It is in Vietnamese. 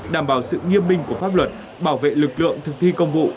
đảm bảo sự nghiêm minh của pháp luật bảo vệ lực lượng thực thi công vụ